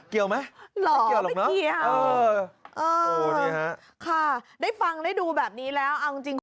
เกี่ยวไหมไม่เกี่ยวหรอกเนอะเออเออค่ะได้ฟังได้ดูแบบนี้แล้ว